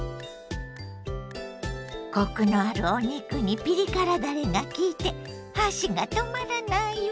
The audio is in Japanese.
コクのあるお肉にピリ辛だれがきいて箸が止まらないわ！